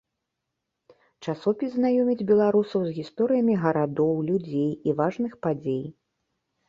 Часопіс знаёміць беларусаў з гісторыямі гарадоў, людзей і важных падзей.